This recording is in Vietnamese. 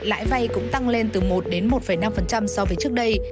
lãi vay cũng tăng lên từ một đến một năm so với trước đây